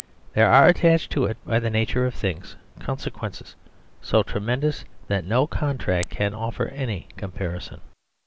There are attached to it, by the na ture of things, consequences so tremendous that no contract can offer any comparison.